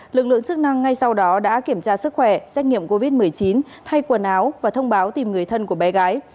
lực lượng chức năng ngay sau đó đã kiểm tra sức khỏe xét nghiệm covid một mươi chín thay quần áo và thông báo tìm người thân của bé gái